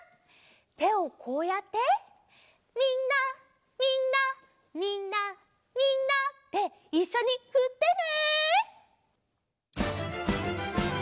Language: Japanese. てをこうやって「みんなみんなみんなみんな」っていっしょにふってね！